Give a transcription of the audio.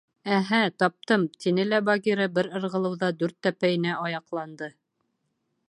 Әһә, таптым! — тине лә Багира бер ырғылыуҙа дүрт тәпәйенә аяҡланды.